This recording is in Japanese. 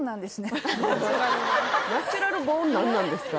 ナチュラルボーンなんですか？